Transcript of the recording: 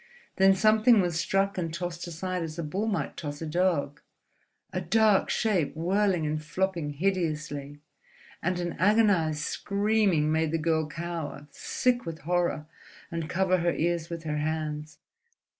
Then something was struck and tossed aside as a bull might toss a dog—a dark shape whirling and flopping hideously; and an agonized screaming made the girl cower, sick with horror, and cover her ears with her hands.